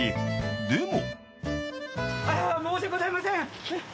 でも。